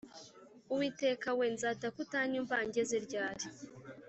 uwiteka we, nzataka utanyumva ngeze ryari’